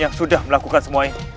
yang sudah melakukan semuanya